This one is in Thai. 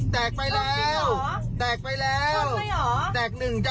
แตกหนึ่ง